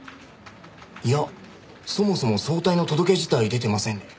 いやそもそも早退の届け自体出てませんね。